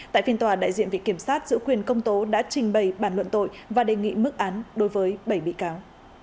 tại phiên tòa đại diện vị kiểm sát giữ quyền công tố đã trình bày bản luận tội và đề nghị mức án đối với bảy bị cáo